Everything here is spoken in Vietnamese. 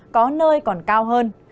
có nơi còn cao hơn